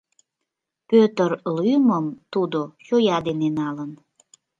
Пӧтыр лӱмым тудо чоя дене налын.